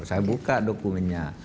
saya buka dokumennya